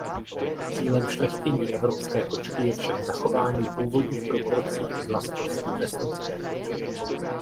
Cílem šlechtění evropské kočky je však zachování původních proporcí i vlastností „vesnické“ kočky.